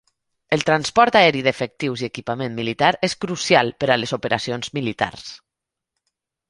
El transport aeri d'efectius i equipament militar és crucial per a les operacions militars.